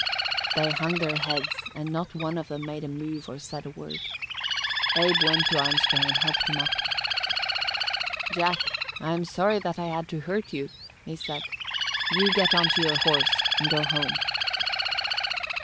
"They hung their heads and not one of them made a move or said a word. Abe went to Armstrong and helped him up. "'Jack, I'm sorry that I had to hurt you,' he said. 'You get on to your horse and go home.'